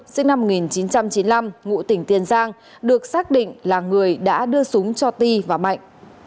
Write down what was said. sinh năm một nghìn chín trăm chín mươi năm ngụ tỉnh tiền giang được xác định là người đã đưa súng cho ti và mạnh